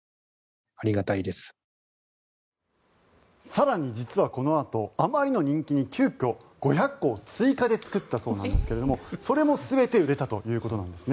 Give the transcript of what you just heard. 更に実はこのあとあまりの人気に急きょ、５００個を追加で作ったそうなんですがそれも全て売れたということなんです。